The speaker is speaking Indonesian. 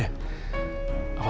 kok gak ada